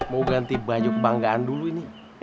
mau ganti baju kebanggaan dulu ini